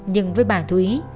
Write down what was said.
nhưng với bà thúy